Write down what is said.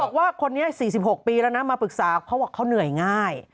เค้าบอกว่าคนเนี้ย๔๖ปีละมาปรึกษาเค้าว่าก้เนื่อยง่าย